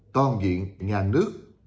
toàn diện nhà nước